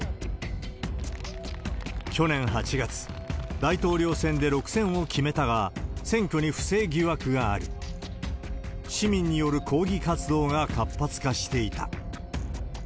去年８月、大統領選で６選を決めたが、選挙に不正疑惑があり、市民による抗議活動が活発化していた。